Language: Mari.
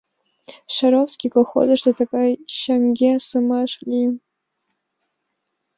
«Шаровский» колхозышто тыгай чаҥгесымаш лийын: